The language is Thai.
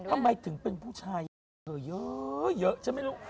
ทำไมถึงเป็นผู้ชายเยอะใช่ไหม